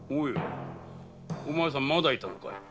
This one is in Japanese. お前さんまだ居たのかい。